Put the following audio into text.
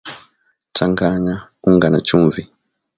chamganya unga na chumvi